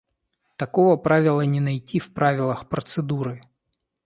Такого правила не найти в правилах процедуры.